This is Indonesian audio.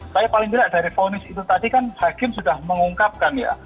tapi paling tidak dari fonis itu tadi kan hakim sudah mengungkapkan ya